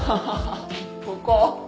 ここ。